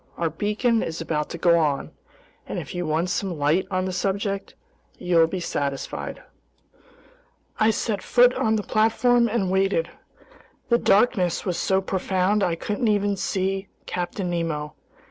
Our beacon is about to go on, and if you want some light on the subject, you'll be satisfied." I set foot on the platform and waited. The darkness was so profound I couldn't see even Captain Nemo.